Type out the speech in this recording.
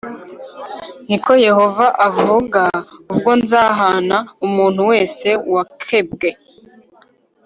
ni ko Yehova avuga ubwo nzahana umuntu wese wakebwe